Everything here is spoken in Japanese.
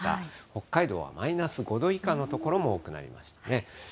北海道はマイナス５度以下の所も多くなりましたね。